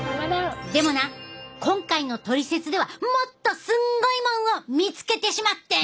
でもな今回の「トリセツ」ではもっとすんごいもんを見つけてしまってん。